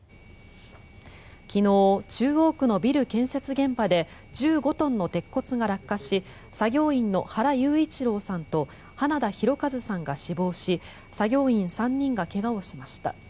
昨日、中央区のビル建設現場で１５トンの鉄骨が落下し作業員の原裕一郎さんと花田大和さんが死亡し作業員３人が怪我をしました。